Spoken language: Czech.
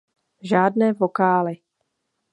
Žádné vokály.